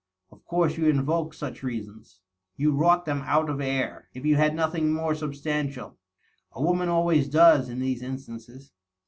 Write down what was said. Of course you invoked such reasons ; you wrought them out of air, if you had nothing more substantial. A woman always does, in these instances."